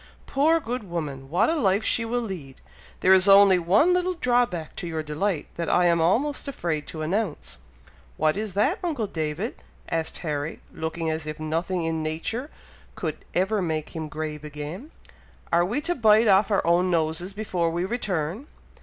Poor good woman! what a life she will lead! There is only one little drawback to your delight, that I am almost afraid to announce." "What is that, uncle David?" asked Harry, looking as if nothing in nature could ever make him grave again. "Are we to bite off our own noses before we return?"